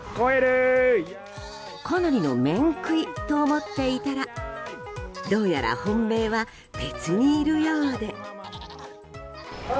かなりの面食いと思っていたらどうやら本命は別にいるようで。